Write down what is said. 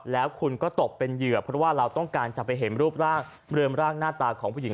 แล้วคุณก็ตกเป็นเหยื่อเพราะว่าเราต้องการจะไปเห็นรูปร่างเรือมร่างหน้าตาของผู้หญิง